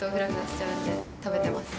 食べてます。